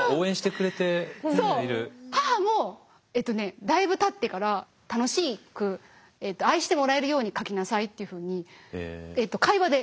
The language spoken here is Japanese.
母もだいぶたってから「楽しく愛してもらえるように書きなさい」っていうふうに会話で言ってくれて。